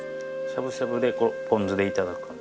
しゃぶしゃぶでポン酢で頂く？